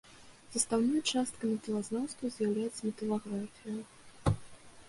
Састаўной частка металазнаўства з'яўляецца металаграфія.